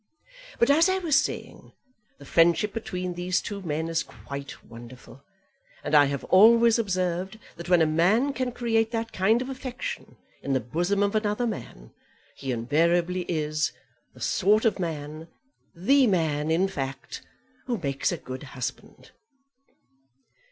But as I was saying, the friendship between these two men is quite wonderful, and I have always observed that when a man can create that kind of affection in the bosom of another man, he invariably is, the sort of man, the man, in fact, who makes a good husband."